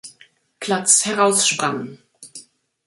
Platz heraussprang.